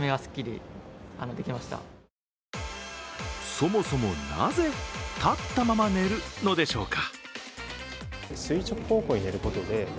そもそも、なぜ立ったまま寝るのでしょうか？